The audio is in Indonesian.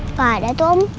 gak ada tuh om